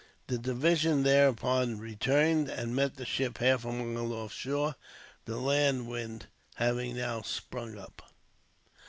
The division thereupon returned, and met the ship half a mile off shore, the land wind having now sprung up.